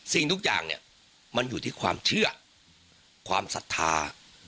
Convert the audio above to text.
สิ่งทุกอย่างเนี่ยมันอยู่ที่ความเชื่อความศรัทธา